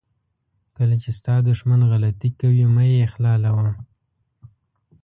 کله چې ستا دښمن غلطي کوي مه یې اخلالوه.